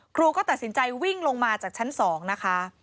ครูก็ตัดสินใจวิ่งลงมาจากชั้น๒นะคะ